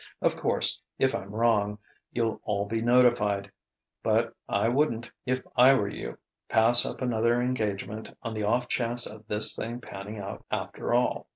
Of course, if I'm wrong, you'll all be notified. But I wouldn't, if I were you, pass up another engagement on the off chance of this thing panning out after all.